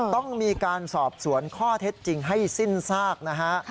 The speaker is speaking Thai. ต้องมีการสอบสวนข้อเท็จจริงให้สิ้นซากนะฮะ